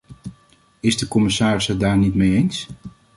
Is de commissaris het daar niet mee eens?